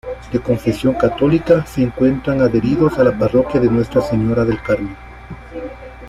De confesión católica, se encuentran adheridos a la Parroquia de Nuestra Señora del Carmen